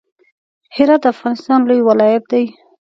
هرات د افغانستان لوی ولایت دی.